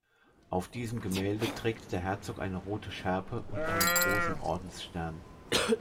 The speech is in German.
Auf diesem Gemälde trägt der Herzog eine rote Schärpe und einen großen Ordensstern.